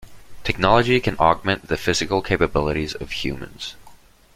Technology can augment the physical capabilities of humans.